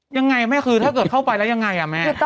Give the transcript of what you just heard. ยังไงแม่คือถ้าเกิดเข้าไปแล้วยังไงอ่ะแม่